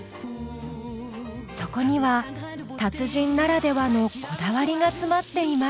そこには達人ならではのこだわりが詰まっています。